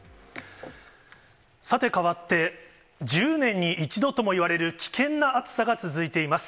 さてかわって、１０年に１度ともいわれる危険な暑さが続いています。